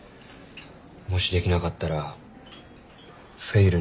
もしできなかったらフェイルに。